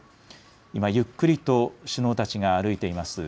今ゆっくりと首脳たちが歩いています